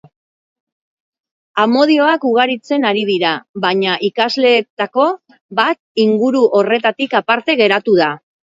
Amodioak ugaritzen ari dira, baina ikasleetako bat inguru horretatik aparte geratu da.